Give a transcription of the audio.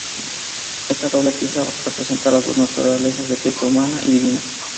Esta doble pieza representa las dos naturalezas de Cristo: humana y divina.